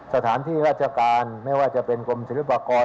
สถานที่ราชการไม่ว่าจะเป็นกรมศิลปากร